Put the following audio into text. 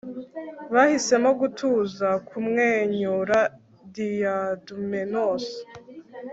Bahisemo gutuza kumwenyura diadumenos